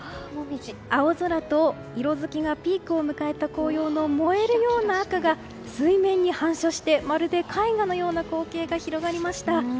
青空と色づきがピークを迎えた紅葉の燃えるような赤が水面に反射してまるで絵画のような光景が広がりました。